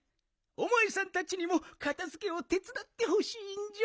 おまえさんたちにもかたづけをてつだってほしいんじゃ。